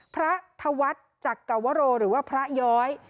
พระธวัฒน์จักรวโรหรือว่าพระย้อย